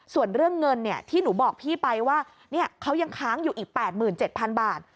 ส่วนเรื่องเงินที่หนูบอกพี่ไปว่าเขายังค้างอยู่อีก๘๗๐๐บาท